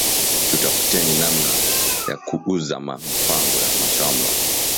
Tutafuteni nanma ya ku uza ma mpango ya mashamba